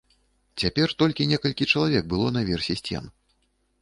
Цяпер толькі некалькі чалавек было на версе сцен.